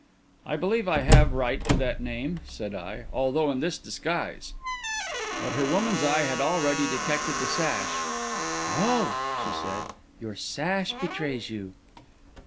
"I believe I have right to that name," said I, "although in this disguise." But her woman's eye had already detected the sash. "Oh!" she said; "your sash betrays you."